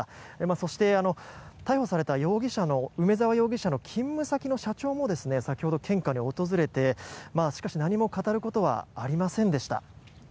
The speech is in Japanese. そして、逮捕された梅沢容疑者の勤務先の社長も先ほど献花に訪れてしかし、何も語ることはありませんでした。